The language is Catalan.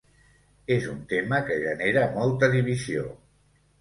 És un tema que genera molta divisió.